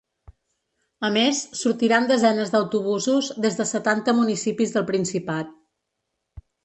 A més, sortiran desenes d’autobusos des de setanta municipis del Principat.